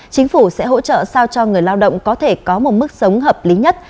chính phủ sẽ hỗ trợ sao cho người lao động có thể có một mức sống hợp lý nhất